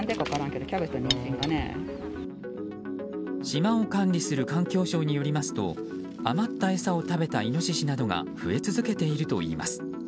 島を管理する環境省によりますと余った餌を食べたイノシシなどが増え続けているといいます。